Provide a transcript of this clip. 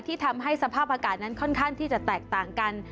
ทำให้สภาพอากาศนั้นค่อนข้างที่จะแตกต่างกัน